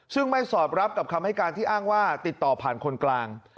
ซึ่งไม่สอดรับกับคำให้การที่อ้างว่าติดต่อผ่านคนกลาง